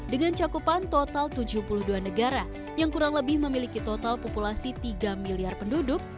dengan cakupan total tujuh puluh dua negara yang kurang lebih memiliki total populasi tiga miliar penduduk